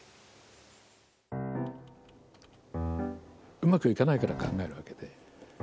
うまくいかないから考えるわけで。